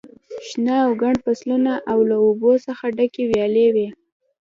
شنه او ګڼ فصلونه او له اوبو څخه ډکې ویالې وې.